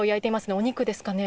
お肉ですかね。